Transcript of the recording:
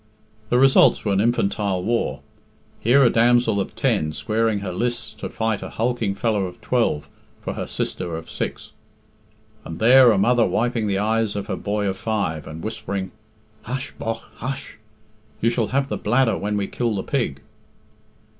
The results were an infantile war. Here, a damsel of ten squaring her lists to fight a hulking fellow of twelve for her sister of six; and there, a mother wiping the eyes of her boy of five, and whispering "Hush, bogh; hush! You shall have the bladder when we kill the pig."